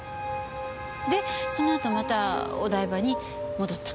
でそのあとまたお台場に戻った？